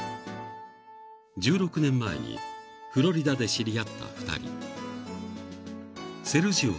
［１６年前にフロリダで知り合った２人］